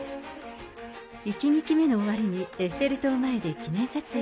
１日目の終わりにエッフェル塔前で記念撮影。